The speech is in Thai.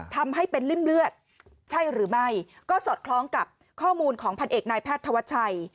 ทำให้เป็นริ่มเลือดใช่หรือไม่ก็สอดคล้องกับข้อมูลของพันเอกนายแพทย์ธวัชชัย